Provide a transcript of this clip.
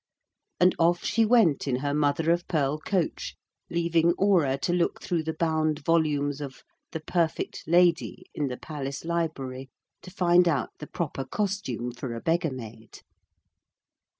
And off she went in her mother of pearl coach, leaving Aura to look through the bound volumes of The Perfect Lady in the palace library, to find out the proper costume for a beggar maid.